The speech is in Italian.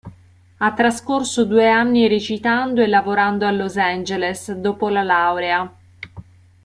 Ha trascorso due anni recitando e lavorando a Los Angeles, dopo la laurea.